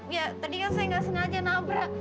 ya tadi kan saya nggak sengaja nabrak